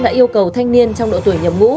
đã yêu cầu thanh niên trong độ tuổi nhập ngũ